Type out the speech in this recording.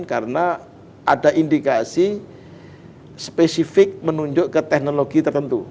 karena ada indikasi spesifik menunjuk ke teknologi tertentu